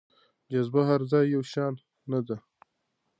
جاذبه هر ځای يو شان نه ده.